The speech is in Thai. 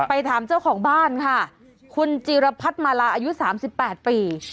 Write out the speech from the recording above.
ไปถามเจ้าของบ้านค่ะคุณจีรพรรดิมาราอายุสามสิบแปดปี